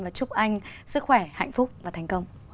và chúc anh sức khỏe hạnh phúc và thành công